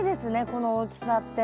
この大きさって。